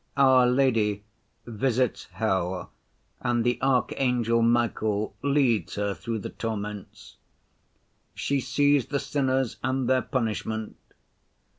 Our Lady visits hell, and the Archangel Michael leads her through the torments. She sees the sinners and their punishment.